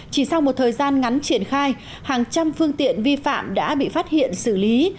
chỉ sau một thời gian ngắn triển khai hàng trăm phương tiện vi phạm đã bị phát hiện xử lý